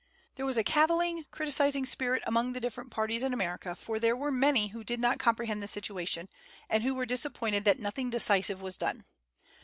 There was a cavilling, criticising spirit among the different parties in America; for there were many who did not comprehend the situation, and who were disappointed that nothing decisive was done.